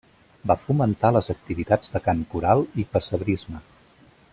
Van fomentar les activitats de cant coral i pessebrisme.